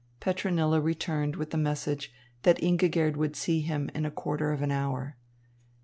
Petronilla returned with the message that Ingigerd would see him in a quarter of an hour.